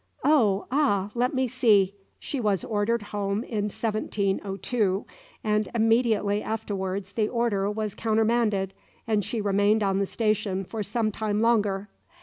Oh, ah, let me see! she was ordered home in 1702, and immediately afterwards the order was countermanded and she remained on the station for some time longer.